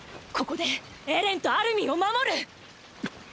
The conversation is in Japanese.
ここでエレンとアルミンを守る。